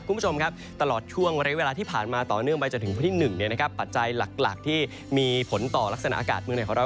คุณผู้ชมครับตลอดช่วงระยะเวลาที่ผ่านมาต่อเนื่องไปจนถึงวันที่๑ปัจจัยหลักที่มีผลต่อลักษณะอากาศเมืองไหนของเรา